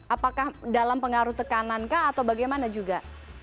apakah dalam pengaruh tekanan kah atau bagaimana juga